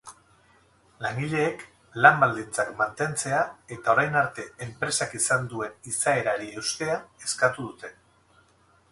Langileek lan-baldintzak mantentzea eta orain arte enpresak izan duen izaerari eustea eskatu dute.